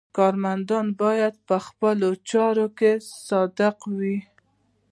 کارمند باید په خپلو چارو کې صادق وي.